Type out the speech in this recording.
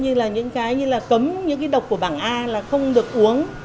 như là những cái cấm những cái độc của bảng a là không được uống